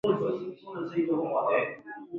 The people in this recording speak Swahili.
ndani sana tunatakiwa kuhakikisha kila